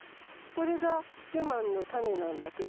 これがキケマンの種なんだけど。